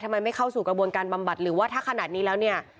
ไม่เข้าสู่กระบวนการบำบัดหรือว่าถ้าขนาดนี้แล้วเนี่ย